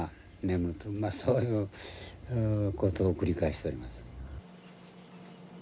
そういうことを繰り返しとります。